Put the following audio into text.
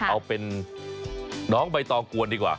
เอาเป็นน้องใบตองกวนดีกว่า